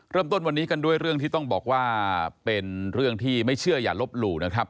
เริ่มต้นวันนี้กันด้วยเรื่องที่ต้องบอกว่าเป็นเรื่องที่ไม่เชื่ออย่าลบหลู่นะครับ